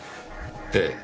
ええ。